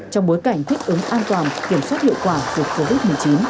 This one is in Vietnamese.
trong bối cảnh thích ứng an toàn kiểm soát hiệu quả của covid một mươi chín